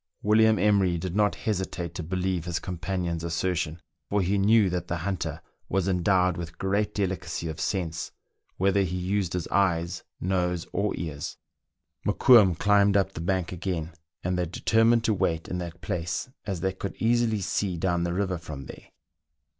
William Emery did not hesitate to believe his com panion's assertion, for he knew that the hunter was en dowed with great delicacy of sense, whether he used his eyes, nose, or ears. Mokoum climbed up the bank again, and they determined to wait in that place, as they could easily see down the river from there.